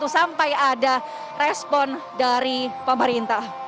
sampai ada respon dari pemerintah